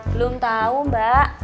belum tau mbak